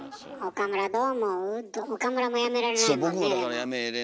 岡村もやめられないもんねでも。